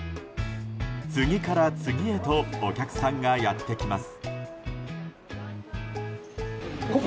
次から次へとお客さんがやってきます。